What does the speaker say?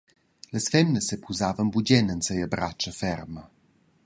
Las femnas sepusavan bugen en sia bratscha ferma.